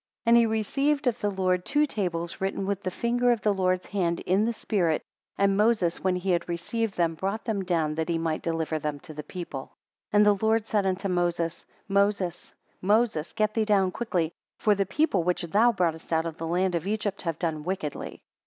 13 And he received of the Lord two tables written with the finger of the Lord's hand, in the Spirit. And Moses, when he had received them, brought them down that he might deliver them to the people. 14 And the Lord said unto Moses; Moses, Moses, get thee down quickly, for the people which thou broughtest out of the land of Egypt have done wickedly.